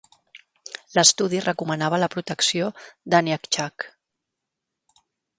L'estudi recomanava la protecció d'Aniakchak.